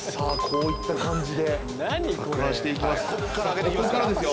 こういった感じで攪拌して行きます。